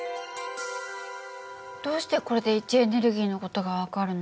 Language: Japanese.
どうしてこれで位置エネルギーの事が分かるの？